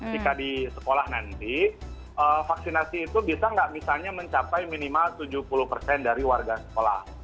jika di sekolah nanti vaksinasi itu bisa nggak misalnya mencapai minimal tujuh puluh dari warga sekolah